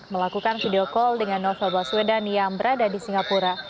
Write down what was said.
melakukan video call dengan novel baswedan yang berada di singapura